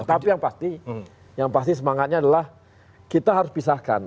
tapi yang pasti semangatnya adalah kita harus pisahkan